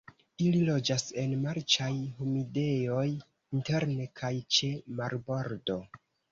Ili loĝas en marĉaj humidejoj interne kaj ĉe marbordo.